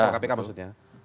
kepada kpk maksudnya